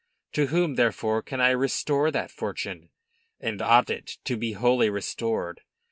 To whom therefore can I restore that fortune? And ought it to be wholly restored?